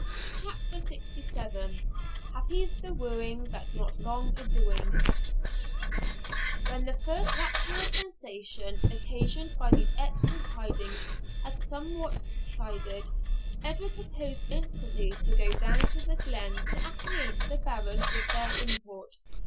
CHAPTER LXVII Happy's the wooing That's not long a doing When the first rapturous sensation occasioned by these excellent tidings had somewhat subsided, Edward proposed instantly to go down to the glen to acquaint the Baron with their import.